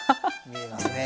見えますね。